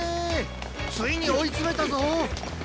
ついにおいつめたぞ！